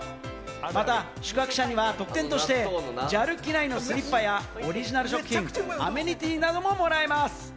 また宿泊者には特典としてＪＡＬ機内のスリッパやオリジナル食品、アメニティなどももらえます。